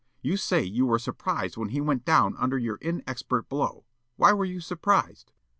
You say you were surprised when he went down under your inexpert blow. Why were you surprised?"